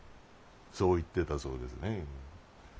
そう言ってたそうですね。